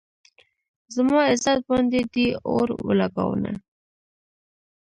زما عزت باندې دې اور ولږاونه